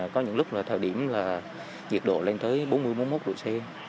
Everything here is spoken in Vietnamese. có những lúc thời điểm là nhiệt độ lên tới bốn mươi bốn mươi một độ c